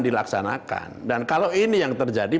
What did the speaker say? dilaksanakan dan kalau ini yang terjadi